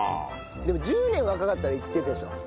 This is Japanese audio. でも１０年若かったらいってたじゃん。